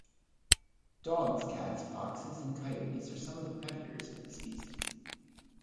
Dogs, cats, foxes, and coyotes are some of the predators of the species.